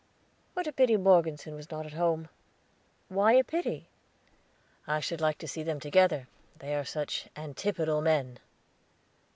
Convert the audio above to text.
"What a pity Morgeson was not at home!" "Why a pity?" "I should like to see them together, they are such antipodal men.